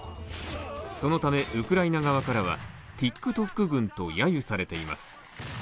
そのため、ウクライナ側からはＴｉｋＴｏｋ軍と揶揄されています。